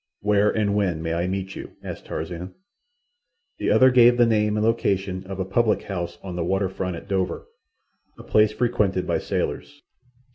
"Where and when may I meet you?" asked Tarzan. The other gave the name and location of a public house on the water front at Dover—a place frequented by sailors.